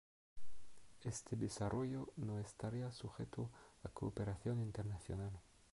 Este desarrollo no estaría sujeto a cooperación internacional.